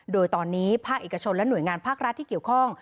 โดยตอนนี้ภาคเอกชนและหน่วยงานภาครัฐที่เกี่ยวข้อง